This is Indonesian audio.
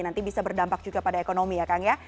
nanti bisa berdampak juga pada ekonomi ya kang ya